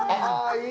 いい